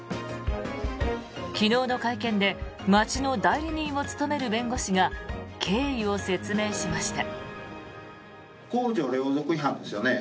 昨日の会見で町の代理人を務める弁護士が経緯を説明しました。